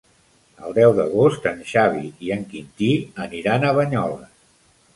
El deu d'agost en Xavi i en Quintí aniran a Banyoles.